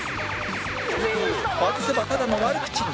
外せばただの悪口に